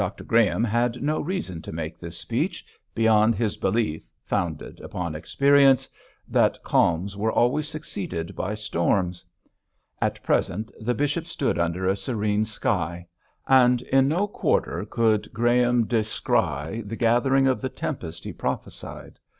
Dr Graham had no reason to make this speech, beyond his belief founded upon experience that calms are always succeeded by storms. At present the bishop stood under a serene sky; and in no quarter could Graham descry the gathering of the tempest he prophesied.